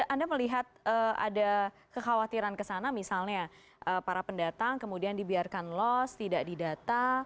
anda melihat ada kekhawatiran kesana misalnya para pendatang kemudian dibiarkan loss tidak didata